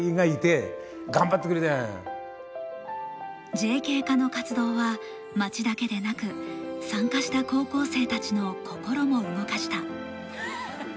ＪＫ課の活動は町だけでなく参加した高校生たちの心も動かした。